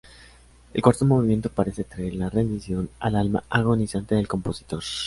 El cuarto movimiento parece traer la redención al alma agonizante del compositor.